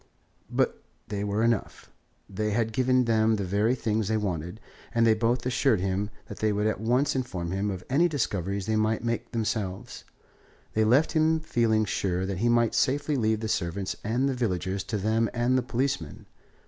But they were enough. He had given them the very things they wanted, and they both assured him that they would at once inform him of any discoveries they might make themselves. They left him feeling sure that he might safely leave the servants and the villagers to them and the policemen.